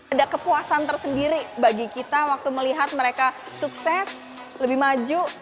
ada kepuasan tersendiri bagi kita waktu melihat mereka sukses lebih maju